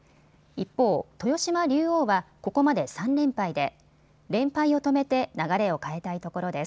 一方、豊島竜王はここまで３連敗で連敗を止めて流れを変えたいところです。